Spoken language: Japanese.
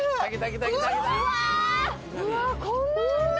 ・うわっこんななんだ。